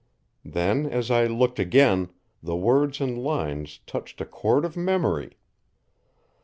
Then, as I looked again, the words and lines touched a cord of memory.